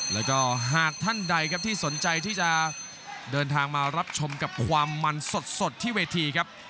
แล้วก็หากท่านใดครับที่สนใจที่จะเดินทางมารับชมกับความมันสดที่เวทีครับ